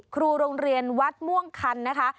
ครูโรงเรียนวัดม่วงคันนะคะ